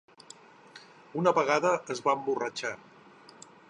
Una vegada es va emborratxar.